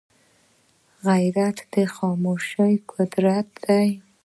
غیرت د خاموشۍ قوت دی